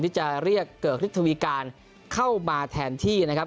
ที่จะเรียกเกิกฤทธวีการเข้ามาแทนที่นะครับ